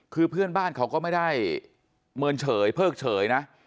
คือเพื่อนบ้านเขาก็ไม่ได้เมินเฉยเพิกเฉยนะ